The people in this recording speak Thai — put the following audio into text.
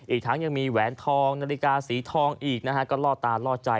อีกทั้งยังมีแหวนทองนาฬิกาสีทองอีกนะฮะก็ล่อตาล่อใจ